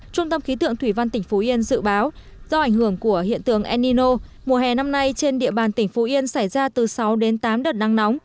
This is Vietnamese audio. trung tâm khí tượng thủy văn tỉnh phú yên dự báo do ảnh hưởng của hiện tượng enino mùa hè năm nay trên địa bàn tỉnh phú yên xảy ra từ sáu đến tám đợt nắng nóng